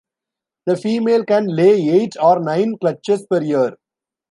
The female can lay eight or nine clutches per year.